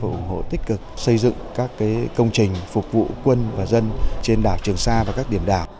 ủng hộ tích cực xây dựng các công trình phục vụ quân và dân trên đảo trường sa và các điểm đảo